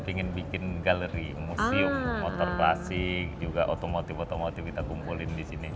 ingin bikin galeri museum motor klasik juga otomotif otomotif kita kumpulin di sini